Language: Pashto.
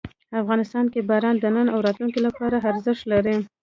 افغانستان کې باران د نن او راتلونکي لپاره ارزښت لري.